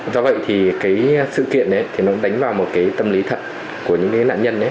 do vậy sự kiện đánh vào một tâm lý thật của những nạn nhân